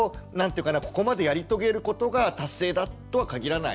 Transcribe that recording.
ここまでやり遂げることが達成だとは限らないので。